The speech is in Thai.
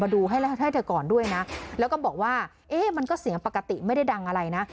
ดูให้เธอก่อนด้วยนะแล้วก็บอกว่าเอ๊ะมันก็เสียงปกติไม่ได้ดังอะไรนะ